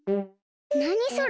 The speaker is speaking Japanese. なにそれ？